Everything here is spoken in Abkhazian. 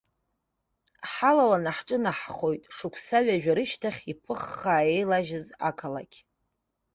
Ҳалаланы ҳҿынаҳхоит шықәса ҩажәа рышьҭахь иԥыххаа еилажьыз ақалақь.